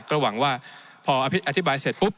ก็หวังว่าพออธิบายเสร็จปุ๊บ